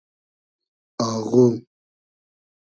آغو